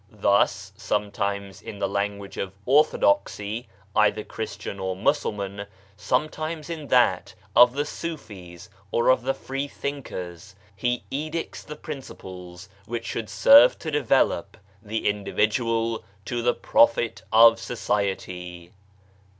Thus sometimes in the 90 BAHAISM language of orthodoxy — either Christian or Musulman — sometimes in that of the Sufis or of the Free Thinkers, he edicts the principles which should serve to develop the individual to the profit of society.